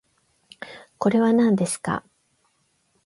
これはなんですか？